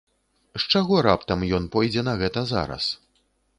З чаго раптам ён пойдзе на гэта зараз?